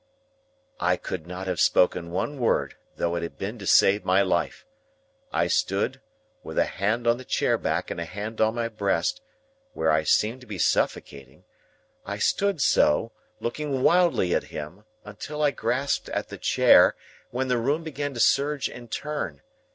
I could not have spoken one word, though it had been to save my life. I stood, with a hand on the chair back and a hand on my breast, where I seemed to be suffocating,—I stood so, looking wildly at him, until I grasped at the chair, when the room began to surge and turn.